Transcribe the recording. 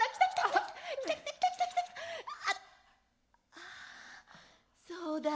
ああそうだ。